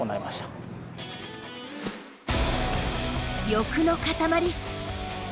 欲の塊。